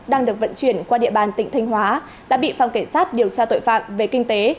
đang được vận chuyển qua địa bàn tỉnh thanh hóa đã bị phòng cảnh sát điều tra tội phạm về kinh tế